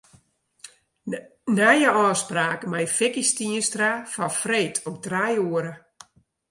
Nije ôfspraak mei Vicky Stienstra foar freed om trije oere.